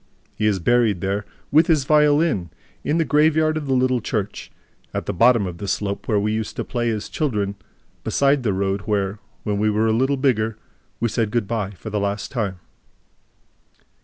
He is buried there, with his violin, in the graveyard of the little church, at the bottom of the slope where we used to play as children, beside the road where, when we were a little bigger, we said good by for the last time.